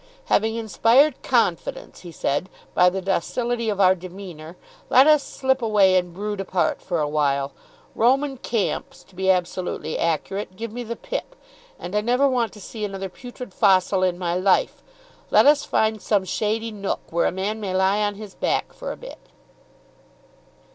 "Having inspired confidence," he said, "by the docility of our demeanour, let us slip away, and brood apart for awhile. Roman camps, to be absolutely accurate, give me the pip. And I never want to see another putrid fossil in my life. Let us find some shady nook where a man may lie on his back for a bit."